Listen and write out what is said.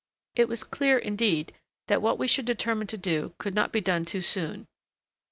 It was clear, indeed, that what we should determine to do could not be done too soon.